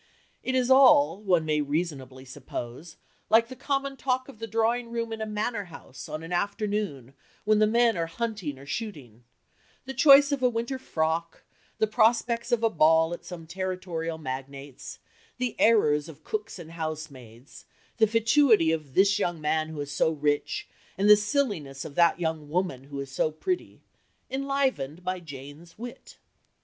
It is all, one may reasonably suppose, like the common talk of the drawing room in a manor house on an afternoon when the men are hunting or shooting the choice of a winter frock, the prospects of a ball at some territorial magnate's, the errors of cooks and housemaids, the fatuity of this young man who is so rich, and the silliness of that young woman who is so pretty enlivened by Jane's wit.